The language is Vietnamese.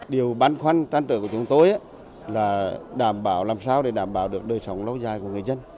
điều băn khoăn trang trở của chúng tôi là làm sao để đảm bảo được đời sống lâu dài của người dân